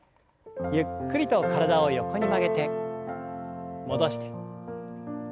ゆっくりと体を横に曲げて戻して。